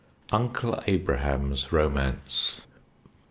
_UNCLE ABRAHAM'S ROMANCE.